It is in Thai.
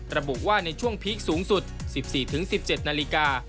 ระบุว่าในช่วงพีคสูงสุด๑๔๑๗นาฬิกา